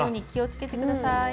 気をつけてください。